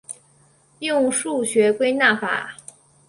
用数学归纳法。